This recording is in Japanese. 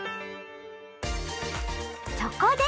そこで！